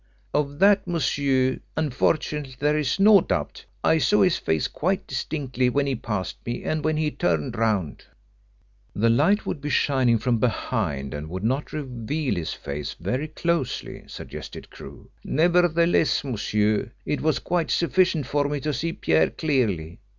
"Of that, monsieur, unfortunately there is no doubt. I saw his face quite distinctly when he passed me, and when he turned round." "The light would be shining from behind, and would not reveal his face very closely," suggested Crewe. "Nevertheless, monsieur, it was quite sufficient for me to see Pierre clearly.